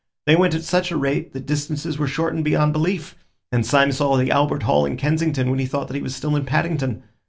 They went at such a rate that distances were shortened beyond belief, and Syme saw the Albert Hall in Kensington when he thought that he was still in Paddington.